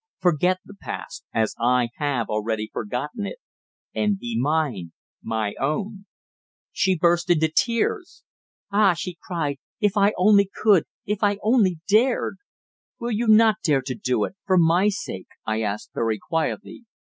Forget the past, as I have already forgotten it and be mine my own!" She burst into tears. "Ah!" she cried. "If I only could if I only dared!" "Will you not dare to do it for my sake?" I asked very quietly.